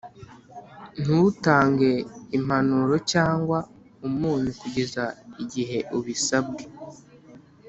ntutange impanuro cyangwa umunyu kugeza igihe ubisabwe